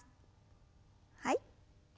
はい。